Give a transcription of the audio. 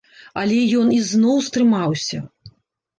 Але ён ізноў стрымаўся.